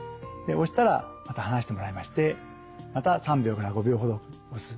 押したらまた離してもらいましてまた３秒から５秒ほど押す。